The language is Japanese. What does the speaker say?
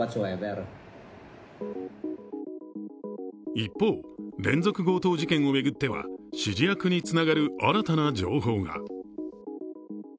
一方、連続強盗事件を巡っては指示役につながる新たな情報が。